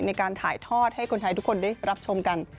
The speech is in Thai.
ในการถ่ายทอดให้คนไทยทุกคนได้รับชมกัน